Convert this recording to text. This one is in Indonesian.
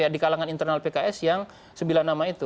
di kalangan internal pks yang sembilan nama itu